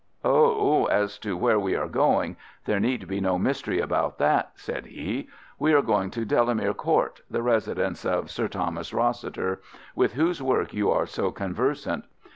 "Oh, as to where we are going, there need be no mystery about that," said he; "we are going to Delamere Court, the residence of Sir Thomas Rossiter, with whose work you are so conversant.